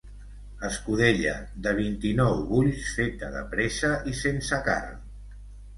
Escudella de vint-i-nou bulls feta de pressa i sense carn.